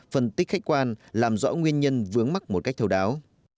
phân tích khách quan làm rõ nguyên nhân vướng mắt một cách thâu đáo